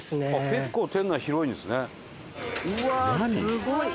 結構店内広いんですね。